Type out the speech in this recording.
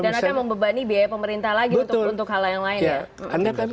dan akan membebani biaya pemerintah lagi untuk hal lain